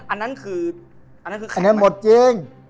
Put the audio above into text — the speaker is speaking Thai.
อันนั้นคืออันนั้นหมดจริง